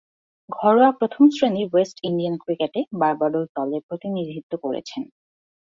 ঘরোয়া প্রথম-শ্রেণীর West Indian ক্রিকেটে বার্বাডোস দলের প্রতিনিধিত্ব করেছেন।